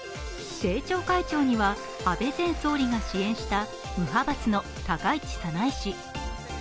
政調会長には安倍前総理が支援した、無派閥の高市早苗氏。